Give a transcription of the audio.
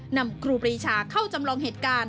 ครูปรีชาเข้าจำลองเหตุการณ์